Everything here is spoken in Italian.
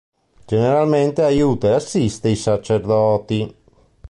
Generalmente aiuta e assiste i sacerdoti.